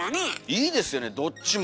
いいですよねどっちも。